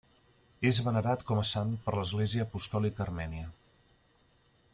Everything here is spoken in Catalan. És venerat com a sant per l'Església Apostòlica Armènia.